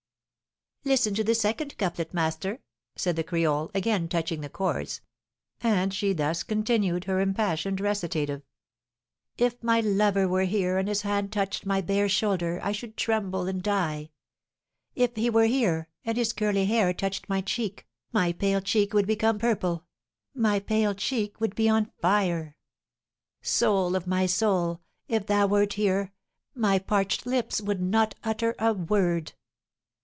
"Listen to the second couplet, master," said the creole, again touching the chords; and she thus continued her impassioned recitative: "If my lover were here, and his hand touched my bare shoulder, I should tremble and die. If he were here, and his curly hair touched my cheek, my pale cheek would become purple my pale cheek would be on fire. Soul of my Soul, if thou wert here, my parched lips would not utter a word.